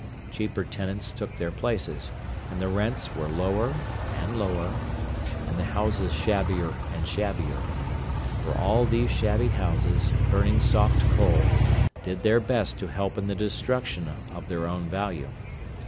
Cheaper tenants took their places, and the rents were lower and lower, and the houses shabbier and shabbier—for all these shabby houses, burning soft coal, did their best to help in the destruction of their own value.